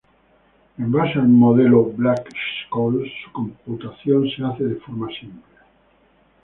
En base al modelo Black-Scholes su computación se hace de forma simple.